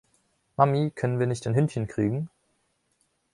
Mami, können wir nicht ein Hündchen kriegen?